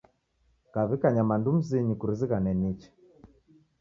Kaw'ika nyamandu mzinyi kurizighane nicha.